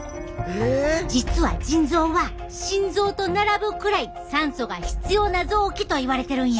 実は腎臓は心臓と並ぶくらい酸素が必要な臓器といわれてるんや。